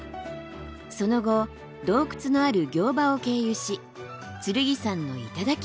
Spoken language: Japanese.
その後洞窟のある行場を経由し剣山の頂へ。